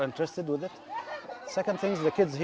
agar mereka tertarik dengan hal ini